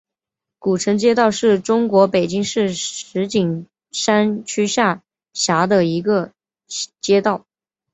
古城街道是中国北京市石景山区下辖的一个街道。